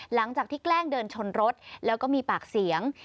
หลังจากที่แกล้งเดินชนรถแล้วก็มีปากเสียง